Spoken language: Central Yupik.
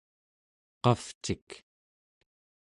qavcik